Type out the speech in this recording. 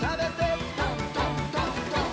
「どんどんどんどん」